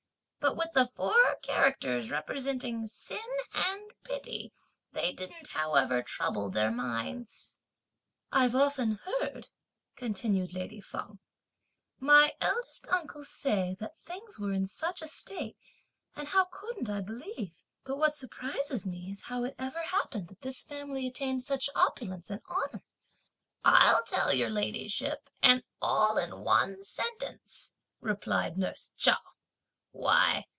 But with the four characters representing sin and pity they didn't however trouble their minds." "I've often heard," continued lady Feng, "my eldest uncle say that things were in such a state, and how couldn't I believe? but what surprises me is how it ever happened that this family attained such opulence and honour!" "I'll tell your ladyship and all in one sentence," replied nurse Chao.